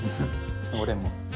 俺も。